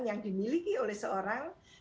yang dimiliki oleh seorang